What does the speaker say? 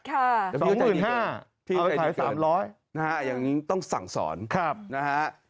ค่ะสองหมื่นห้าพี่ใจดีเกินอย่างนี้ต้องสั่งสอนนะฮะ